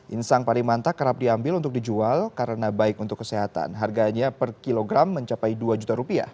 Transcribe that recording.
insang parimanta kerap diambil untuk dijual karena baik untuk kesehatan harganya per kilogram mencapai rp dua juta rupiah